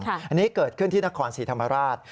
อันนี้เกิดขึ้นที่นครศรีธรรมราช